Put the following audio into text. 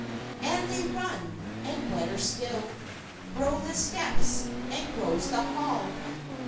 "And they run! and wetter still Grow the steps and grows the hall.